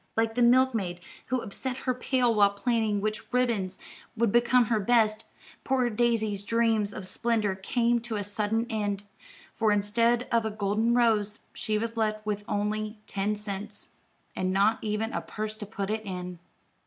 Like the milk maid who upset her pail while planning which ribbons would become her best, poor Daisy's dreams of splendor came to a sudden end; for instead of a golden rose, she was left with only ten cents, and not even a purse to put it in.